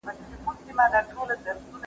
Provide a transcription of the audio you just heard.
ټول کاینات نظم لري.